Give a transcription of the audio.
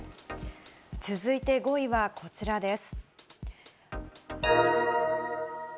続いて５位はこちらです。